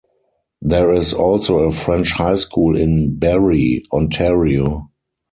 There is also a French High school in Barrie, Ontario.